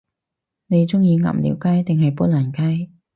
你鍾意鴨寮街定係砵蘭街？